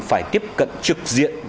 phải tiếp cận trực diện